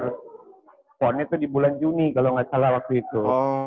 bulan desember ponnya itu di bulan juni kalau gak salah waktu itu